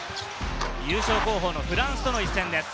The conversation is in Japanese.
優勝候補のフランスとの一戦です。